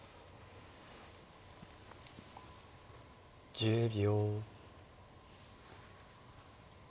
１０秒。